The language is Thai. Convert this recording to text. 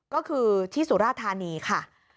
ก็คือที่สุราธานีค่ะ